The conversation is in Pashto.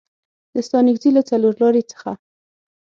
د ستانکزي له څلورلارې څخه